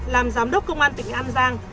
làm giám đốc công an tỉnh an giang